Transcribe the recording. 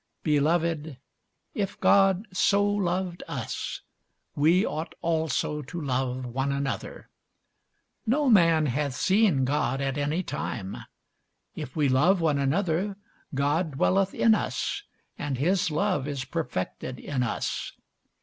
Beloved, if God so loved us, we ought also to love one another. No man hath seen God at any time. If we love one another, God dwelleth in us, and his love is perfected in us.